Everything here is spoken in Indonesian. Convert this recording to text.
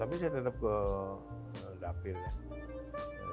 tapi saya tetap ke dapil ya